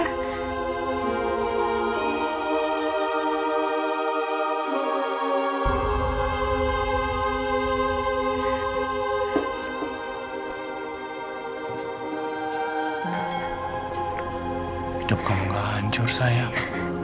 hidup kamu gak hancur sayang